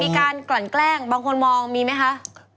การกลั่นแกล้งบางคนมองมีไหมคะ